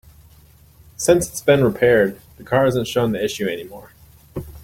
Since it's been repaired, the car hasn't shown the issue any more.